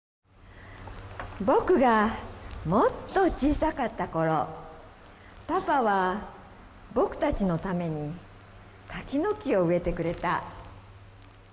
僕がもっと小さかった頃パパは僕たちのために柿の木を植えてくれた。